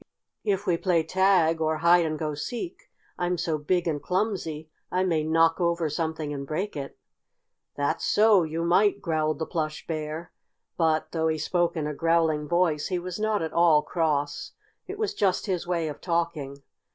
"If we play tag or hide and go seek, I'm so big and clumsy I may knock over something and break it." "That's so you might," growled the Plush Bear, but, though he spoke in a growling voice he was not at all cross. It was just his way of talking.